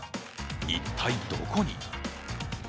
一体どこに？